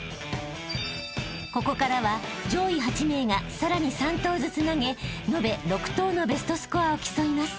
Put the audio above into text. ［ここからは上位８名がさらに３投ずつ投げ延べ６投のベストスコアを競います］